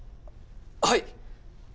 はい！